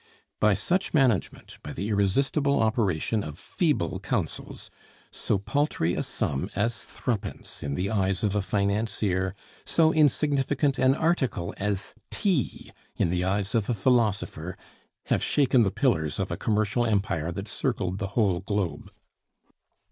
By such management, by the irresistible operation of feeble counsels, so paltry a sum as Threepence in the eyes of a financier, so insignificant an article as Tea in the eyes of a philosopher, have shaken the pillars of a commercial empire that circled the whole globe.